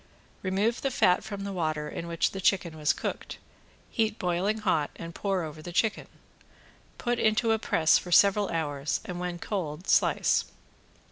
Remove the fat from the water in which the chicken was cooked, heat boiling hot and pour over the chicken. Put into a press for several hours and when cold slice.